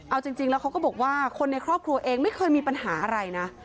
เอาจริงแล้วเขาก็บอกว่าคนในครอบครัวเองไม่เคยมีปัญหาอะไรนะ